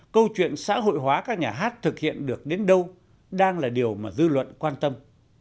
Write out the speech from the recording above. câu chuyện xã hội hóa các nhà hát thực hiện được đến đâu đang là điều mà dư luận quan tâm